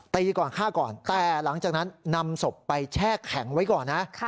ตีก่อนฆ่าก่อนแต่หลังจากนั้นนำศพไปแช่แข็งไว้ก่อนนะ